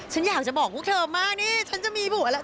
ฉันอยากจะบอกพวกเธอมากนี่ฉันจะมีบุอะไร